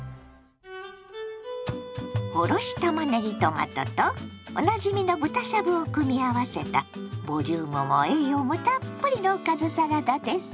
おろしたまねぎトマトとおなじみの豚しゃぶを組み合わせたボリュームも栄養もたっぷりのおかずサラダです。